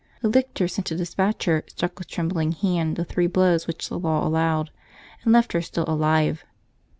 ^^ The lictor sent to dispatch her struck with trem bling hand the three blows which the law allowed, and left her still alive.